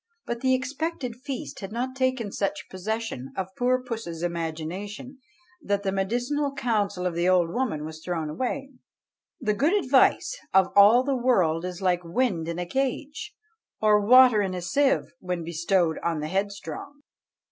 But the expected feast had taken such possession of poor puss's imagination, that the medicinal counsel of the old woman was thrown away. "The good advice of all the world is like wind in a cage, Or water in a sieve, when bestowed on the headstrong."